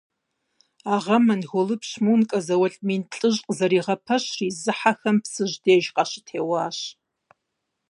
А гъэм монголыпщ Мункэ зауэлӏ мин плӏыщӏ къызэригъэпэщри, зыхьэхэм Псыжь деж къащытеуащ.